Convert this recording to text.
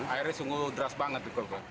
airnya sungguh deras banget